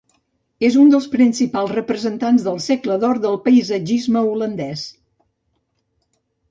És un dels principals representants del segle d’or del paisatgisme holandès.